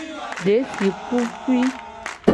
Desi pupui.